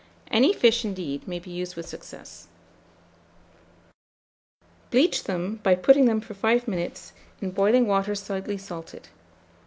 Any fish, indeed, may be used with success.] bleach them, by putting them, for 5 minutes, in boiling water slightly salted.